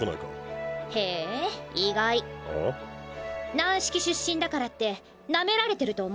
軟式出身だからってナメられてると思ってた。